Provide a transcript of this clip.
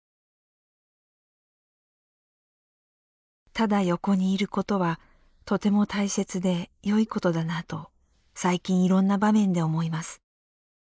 「ただ横にいる事はとても大切でよいことだなと最近いろんな場面で思います」。